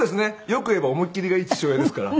よく言えば思い切りがいい父親ですから。